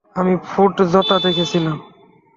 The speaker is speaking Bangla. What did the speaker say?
আমি ফুটেজটা দেখেছিলাম।